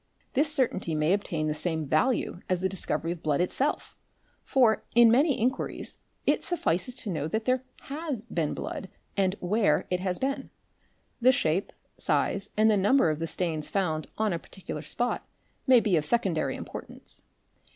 'This certainty may obtain the same value as the discovery of blood itself, for, in many inquiries, it suffices to know that there has been blood and where it has been. The shape, size, and the number of the stains found on a particular spot may be of secondary importance.